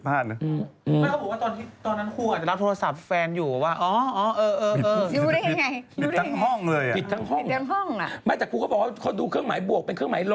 มันผิดเกินไปเนอะ